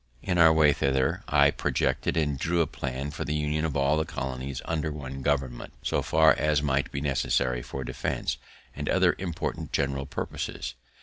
In our way thither, I projected and drew a plan for the union of all the colonies under one government, so far as might be necessary for defense, and other important general purposes.